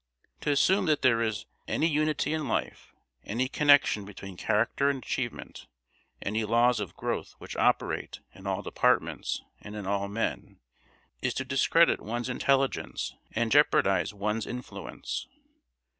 To assume that there is any unity in life, any connection between character and achievement, any laws of growth which operate in all departments and in all men, is to discredit one's intelligence and jeopardise one's influence.